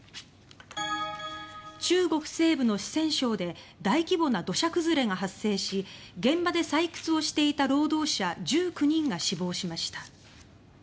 中国西部の四川省で大規模な土砂崩れが発生し現場で採掘をしていた労働者１９人が死亡しました。